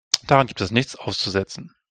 Daran gibt es nichts auszusetzen.